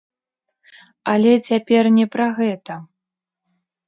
Але цяпер не пра гэта.